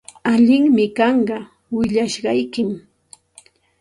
Allinmi kanqa willashqaykim.